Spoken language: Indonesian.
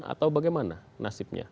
atau bagaimana nasibnya